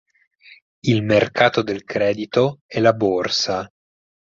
Il mercato del credito e la Borsa.